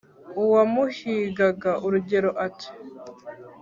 Uwamuhigaga urugero ati :